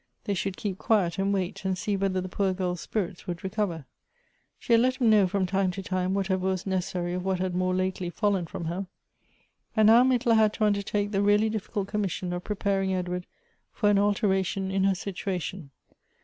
They should keep quiet and wait, and see whether the poor girl's spirits would recover. She had let him know from time to time what ever was necessary of what had more lately fallen from her. And now Mittler had to undertake the really diffi cult commission of preparing Edward for an alteration in her situation.